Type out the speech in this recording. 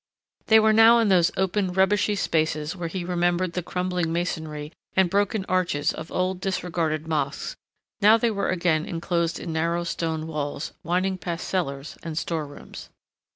They were now in those open rubbishy spaces where he remembered the crumbling masonry and broken arches of old, disregarded mosques; now they were again enclosed in narrow stone walls, winding past cellars and store rooms.